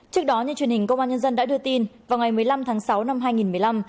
trước đó như truyền hình công an nhân dân đã đưa tin vào ngày một mươi năm tháng sáu năm hai nghìn một mươi năm